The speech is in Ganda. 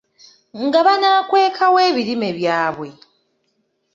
Nga banaakweka wa ebirime byabwe?